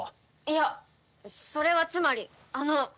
いやそれはつまりあの。